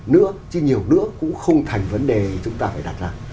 nữa chứ nhiều nước cũng không thành vấn đề chúng ta phải đặt ra